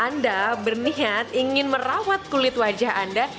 anda berniat ingin merawat kulit wajah anda